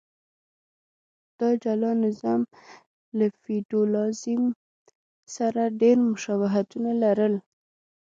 دا جلا نظام له فیوډالېزم سره ډېر مشابهتونه لرل.